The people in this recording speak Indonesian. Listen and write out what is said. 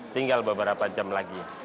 tinggal beberapa jam lagi